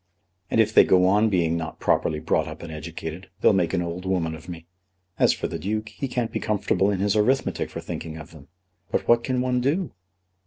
"And if they go on being not properly brought up and educated, they'll make an old woman of me. As for the Duke, he can't be comfortable in his arithmetic for thinking of them. But what can one do?"